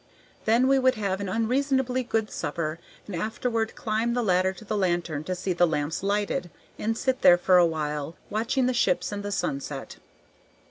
Then we would have an unreasonably good supper and afterward climb the ladder to the lantern to see the lamps lighted, and sit there for a while watching the ships and the sunset.